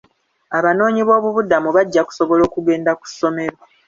Abanoonyi b'obubudamu bajja kusobola okugenda ku ssomero.